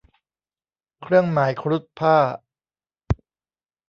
เครื่องหมายครุฑพ่าห์